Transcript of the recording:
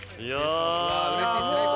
うれしいですね。